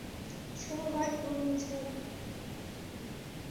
শুরু হয় ঘূর্ণিঝড়।